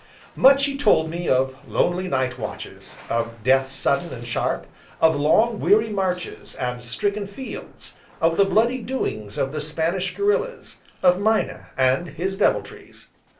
Much he told me of lonely night watches, of death sudden and sharp, of long, weary marches, and stricken fields, of the bloody doings of the Spanish Guerrillas, of Mina, and his deviltries.